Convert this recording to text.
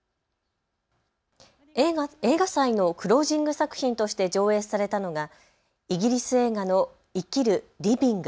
映画祭のクロージング作品として上映されたのがイギリス映画の生きるＬＩＶＩＮＧ。